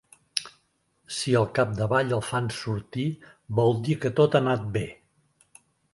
Si al capdavall el fan sortir vol dir que tot ha anat bé.